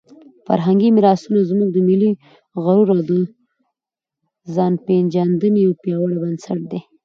فرهنګي میراثونه زموږ د ملي غرور او د ځانپېژندنې یو پیاوړی بنسټ دی.